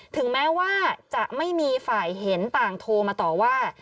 ถึงแม้ว่าจะไม่มีฝ่ายเห็นต่างโทรมาต่อว่า